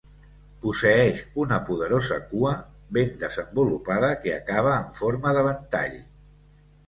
Posseeix una poderosa cua ben desenvolupada que acaba en forma de ventall.